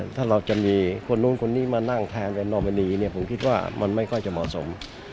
ถ้าเราจะมีคนนู้นคนนี้มานั่งแทนเป็นนอมินีเนี่ยผมคิดว่ามันไม่ค่อยจะเหมาะสม